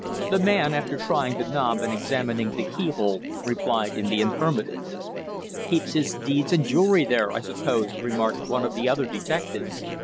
The man, after trying the knob and examining the keyhole, replied in the affirmative. "Keeps his deeds and jewellery there, I suppose," remarked one of the other detectives.